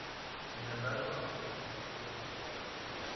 Sin embargo, no se concretó el traspaso.